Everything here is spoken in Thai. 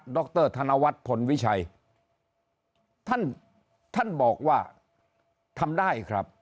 รธนวัฒน์พลวิชัยท่านท่านบอกว่าทำได้ครับ